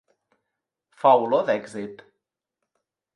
Fa olor d'èxit.